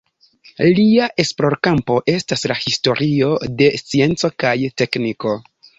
Lia esplorkampo estas la historio de scienco kaj tekniko.